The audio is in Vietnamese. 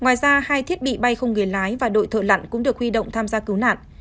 ngoài ra hai thiết bị bay không người lái và đội thợ lặn cũng được huy động tham gia cứu nạn